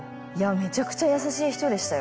めちゃくちゃ優しい人でしたよ。